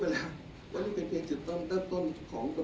คุณท่านหวังว่าประชาธิบัติไม่ชอบมาตรา๔๔